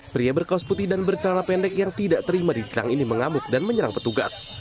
pria berkaos putih dan bercelana pendek yang tidak terima di gerang ini mengamuk dan menyerang petugas